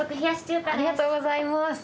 ありがとうございます。